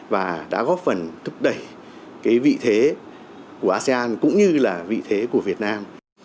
và đã góp phần thúc đẩy cái vị thế của asean cũng như là vị thế của việt nam